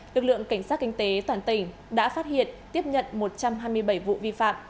lực lượng cảnh sát kinh tế toàn tỉnh đã phát hiện tiếp nhận một trăm hai mươi bảy vụ vi phạm